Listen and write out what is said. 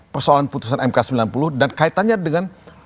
persoalan putusan mk sembilan puluh dan kaitannya dengan